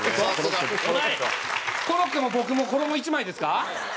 コロッケも僕も衣１枚ですか？